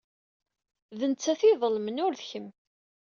D netta ay iḍelmen, ur d kemm.